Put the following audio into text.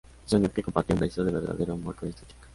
Soñó que compartía un beso de verdadero amor con esta chica.